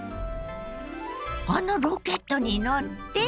あのロケットに乗って？